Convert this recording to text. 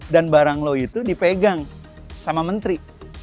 dan barang lo itu dipegang sama menteri